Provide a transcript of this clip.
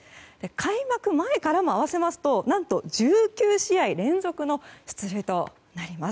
開幕前からも合わせると何と１９試合連続の出塁となります。